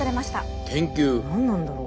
何なんだろう？